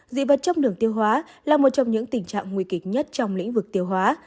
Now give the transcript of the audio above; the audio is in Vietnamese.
dị vật chất đường tiêu hóa là một trong những tình trạng nguy kịch nhất trong lĩnh vực tiêu hóa